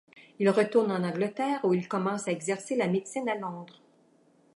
Il retourne en Angleterre où il commence à exercer la médecine à Londres.